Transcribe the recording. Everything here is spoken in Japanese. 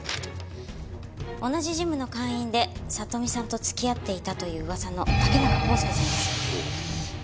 同じジムの会員で里美さんと付き合っていたという噂の竹中幸助さんです。